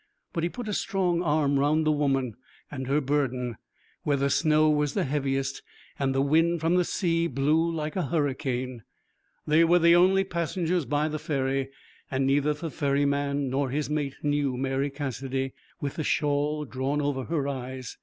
But he put a strong arm round the woman and her burden, where the snow was heaviest, and the wind from the sea blew like a hurricane. They were the only passengers by the ferry, and neither the ferryman nor his mate knew Mary Cassidy, with the shawl drawn over her eyes.